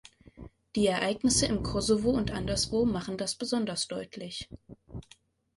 Die Ereignisse im Kosovo und anderswo machen das besonders deutlich.